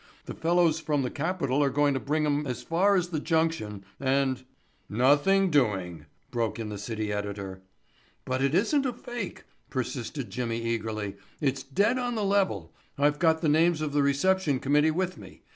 The fellows from the capital are going to bring 'em as far as the Junction and——" "Nothing doing," broke in the city editor. "But it isn't a fake," persisted Jimmy eagerly, "it's dead on the level. I've got the names of the reception committee with me.